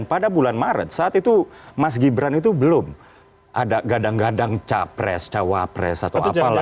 pada bulan maret saat itu mas gibran itu belum ada gadang gadang capres cawapres atau apalah